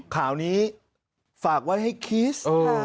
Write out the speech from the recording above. ข่าวนี้ฝากไว้ให้คีส